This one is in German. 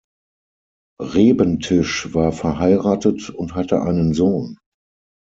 Rebentisch war verheiratet und hatte einen Sohn.